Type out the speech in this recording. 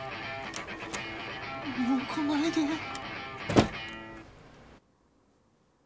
もう来ないでぇ。